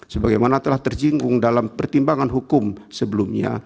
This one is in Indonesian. sebagaimana telah tersinggung dalam pertimbangan hukum sebelumnya